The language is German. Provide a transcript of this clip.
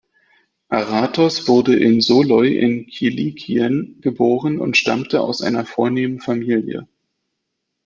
Aratos wurde in Soloi in Kilikien geboren und stammte aus einer vornehmen Familie.